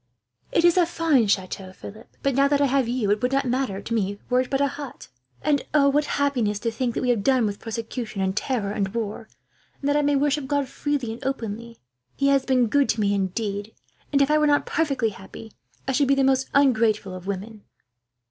"It is a fine chateau, Philip; but now that I have you, it would not matter to me were it but a hut. "And oh, what happiness to think that we have done with persecution and terror and war, and that I may worship God freely and openly! He has been good to me, indeed; and if I were not perfectly happy, I should be the most ungrateful of women."